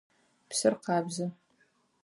Псыр къабзэ.